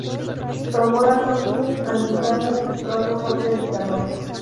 Tomó las órdenes anglicanas, y pronto fue predicador.